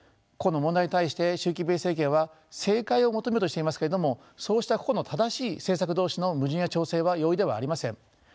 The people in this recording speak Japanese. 個々の問題に対して習近平政権は正解を求めようとしていますけれどもそうした個々の正しい政策同士の矛盾や調整は容易ではありません。